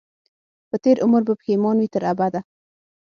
په تېر عمر به پښېمان وي تر ابده